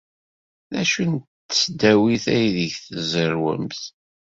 D acu n tesdawit aydeg tzerrwemt?